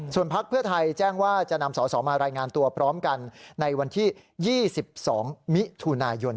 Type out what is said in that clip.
พักเพื่อไทยแจ้งว่าจะนำสอสอมารายงานตัวพร้อมกันในวันที่๒๒มิถุนายน